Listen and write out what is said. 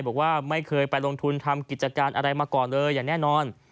บอกว่าไม่เคยไปลงทุนทำกิจการอะไรมาก่อนเลยอย่างแน่นอน